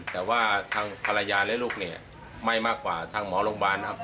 แต่ว่าทางภรรยาและลูกเนี่ยไม่มากกว่าทางหมอโรงพยาบาลนะครับ